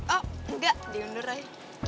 oh enggak diundur ray